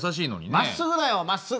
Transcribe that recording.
「まっすぐだよまっすぐ」。